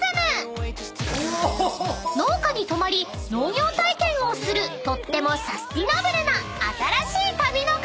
［農家に泊まり農業体験をするとってもサスティナブルな新しい旅の形］